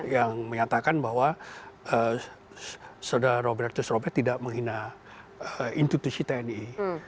yang menyatakan bahwa saudara robertus robert tidak menghina institusi tni